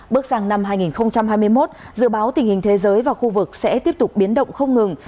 bước sang năm hai nghìn hai mươi một dự báo tình hình thế giới và khu vực sẽ tiếp tục biến động không ngừng